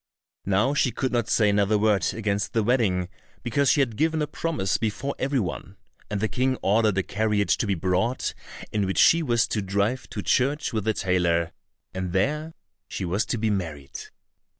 Now she could not say another word against the wedding because she had given a promise before every one, and the King ordered a carriage to be brought in which she was to drive to church with the tailor, and there she was to be married.